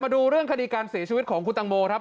ดูเรื่องคดีการเสียชีวิตของคุณตังโมครับ